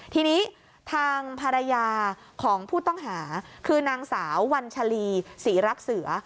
ทีนี้ทางภรรยาของผู้ต้องหาคือนางสาววัญชาลีศรีรักเสือ